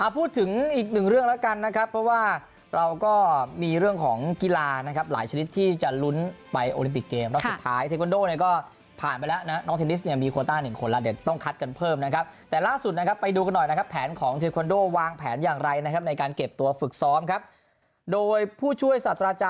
พูดถึงอีกหนึ่งเรื่องแล้วกันนะครับเพราะว่าเราก็มีเรื่องของกีฬานะครับหลายชนิดที่จะลุ้นไปโอลิมปิกเกมรอบสุดท้ายเทควันโดเนี่ยก็ผ่านไปแล้วนะน้องเทนนิสเนี่ยมีโคต้าหนึ่งคนแล้วเดี๋ยวต้องคัดกันเพิ่มนะครับแต่ล่าสุดนะครับไปดูกันหน่อยนะครับแผนของเทควันโดวางแผนอย่างไรนะครับในการเก็บตัวฝึกซ้อมครับโดยผู้ช่วยศาสตราจา